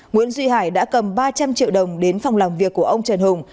nguyễn duy hải đã cầm ba trăm linh triệu đồng đến phòng làm việc của ông trần hùng